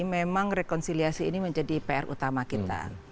memang rekonsiliasi ini menjadi pr utama kita